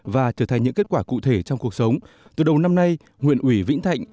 và trở thành những kết quả cụ thể trong cuộc sống từ đầu năm nay huyện ủy vĩnh thạnh